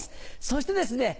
そしてですね